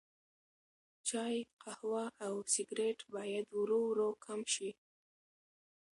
چای، قهوه او سګرټ باید ورو ورو کم شي.